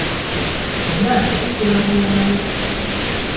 Eryato ligula buwanana.